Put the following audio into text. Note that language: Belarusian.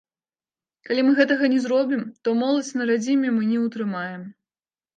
Калі мы гэтага не зробім, то моладзь на радзіме мы не ўтрымаем.